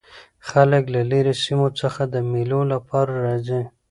خلک له ليري سیمو څخه د مېلو له پاره راځي.